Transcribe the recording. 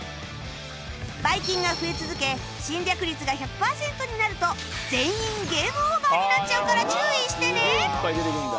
バイキンが増え続け侵略率が１００パーセントになると全員ゲームオーバーになっちゃうから注意してね